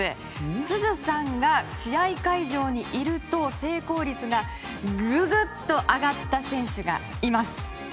すずさんが試合会場にいると成功率がググッと上がった選手がいます。